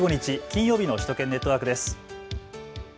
金曜日の首都圏ネットワークです。